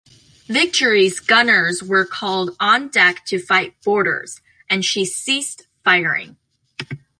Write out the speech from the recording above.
"Victory"'s gunners were called on deck to fight boarders, and she ceased firing.